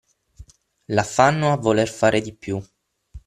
L’affanno a voler fare di più